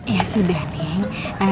ya sudah neneng